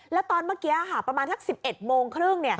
แล้วตอนเมื่อกี้ประมาณสัก๑๑โมงครึ่ง